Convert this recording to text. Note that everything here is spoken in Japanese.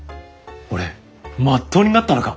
俺まっとうになったのか？